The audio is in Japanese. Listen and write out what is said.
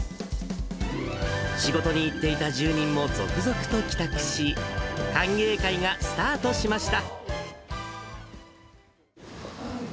仕事に行っていた住人も続々と帰宅し、歓迎会がスタートしました。